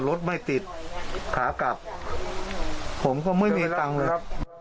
รถไม่ติดขากลับผมก็ไม่มีตังค์เลยครับ